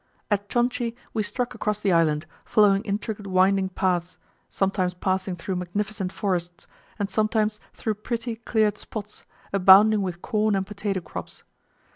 At Chonchi we struck across the island, following intricate winding paths, sometimes passing through magnificent forests, and sometimes through pretty cleared spots, abounding with corn and potato crops.